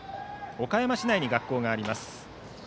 岡山市内に学校があります。